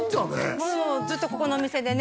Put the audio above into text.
そうずっとここのお店でね